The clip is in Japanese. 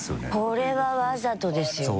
これはわざとですよね。